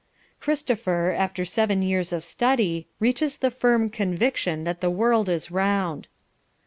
"...Christopher, after seven years of study, reaches the firm conviction that the world is round."